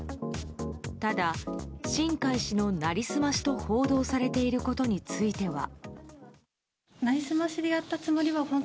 ただ新開氏の成り済ましと報道されていることについては。